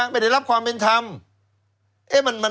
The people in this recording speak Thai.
ไม่ได้รับความเป็นธรรม